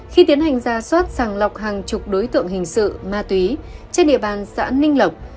khi tiến hành ra soát sàng lọc hàng chục đối tượng hình sự ma túy trên địa bàn xã ninh lộc